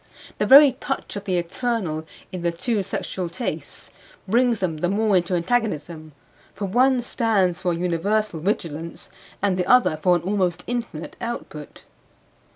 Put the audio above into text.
The very touch of the eternal in the two sexual tastes brings them the more into antagonism; for one stands for a universal vigilance and the other for an almost infinite output.